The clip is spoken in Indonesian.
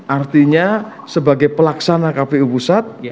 artinya sebagai pelaksana kpu pusat